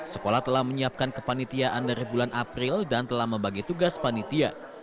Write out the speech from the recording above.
sekolah telah menyiapkan kepanitiaan dari bulan april dan telah membagi tugas panitia